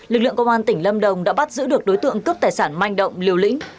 lực lượng công an tỉnh lâm đồng đã bắt giữ được đối tượng cướp tài sản manh động liều lĩnh